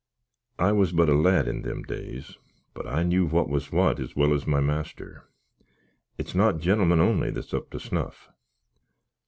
I was but a lad in them days, but I knew what was what as well as my master; it's not gentlemen only that's up to snough.